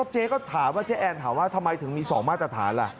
เจ๊ก็ถามว่าเจ๊แอนถามว่าทำไมถึงมี๒มาตรฐานล่ะ